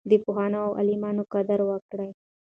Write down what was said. د پوهانو او عالمانو قدر وکړئ.